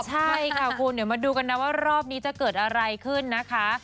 ใช่ค่ะคุณเดี๋ยวมาดูกันนะว่ารอบนี้จะเกิดอะไรขึ้นนะคะ